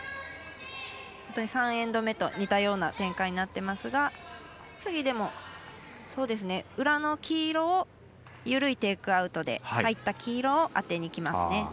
本当に第３エンド目と似たような展開になっていますが、次、でも裏の黄色を緩いテイクアウトで入った黄色を当てにきますね。